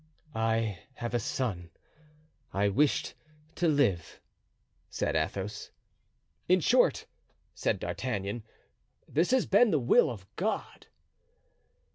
"I have a son. I wished to live," said Athos. "In short," said D'Artagnan, "this has been the will of God."